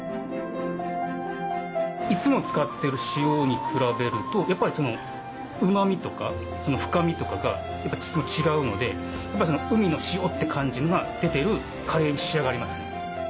いつも使ってる塩に比べるとやっぱりうまみとか深みとかがちょっと違うのでやっぱり海の塩って感じが出てるカレーに仕上がりますね。